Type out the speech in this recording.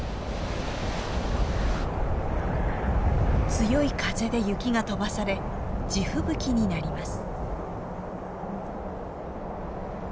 強い風で雪が飛ばされ地吹雪になります。